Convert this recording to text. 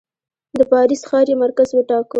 د پاریس ښار یې مرکز وټاکه.